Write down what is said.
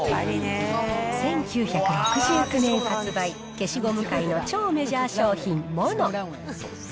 １９６９年発売、消しゴム界の超メジャー商品、ＭＯＮＯ。